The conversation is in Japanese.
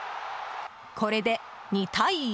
これで２対１。